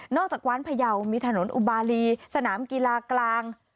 จากกว้านพยาวมีถนนอุบาลีสนามกีฬากลาง